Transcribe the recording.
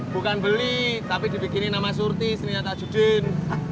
bukan beli tapi dibikinin nama surti sri mata judin